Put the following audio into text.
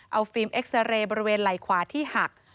เอาฟิล์มเอ็กซาเรย์บริเวณไหล่ขวาที่หัก